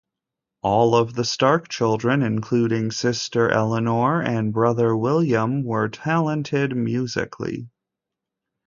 All of the Stark children, including sister Eleanor and brother William were talented musically.